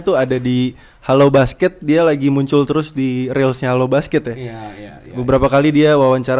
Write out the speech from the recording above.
tuh ada di halo basket dia lagi muncul terus di realsnya halo basket ya beberapa kali dia wawancara